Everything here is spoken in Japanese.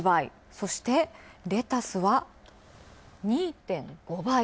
そしてレタスは２．５倍。